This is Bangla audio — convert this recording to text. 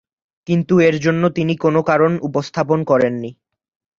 কিন্তু এর জন্য তিনি কোন কারণ উপস্থাপন করেননি।